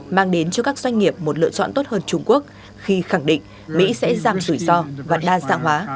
mang đến cho các doanh nghiệp một lựa chọn tốt hơn trung quốc khi khẳng định mỹ sẽ giảm rủi ro và đa dạng hóa